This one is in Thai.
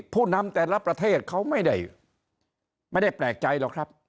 ผู้นำแต่ละประเทศเขาไม่ได้แปลกใจหรอกครับ